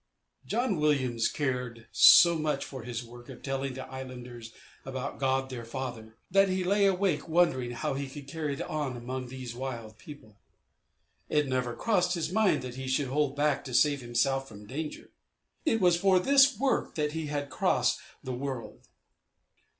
John Williams cared so much for his work of telling the islanders about God their Father, that he lay awake wondering how he could carry it on among these wild people. It never crossed his mind that he should hold back to save himself from danger. It was for this work that he had crossed the world.